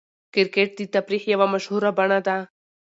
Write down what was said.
کرکټ د تفریح یوه مشهوره بڼه ده.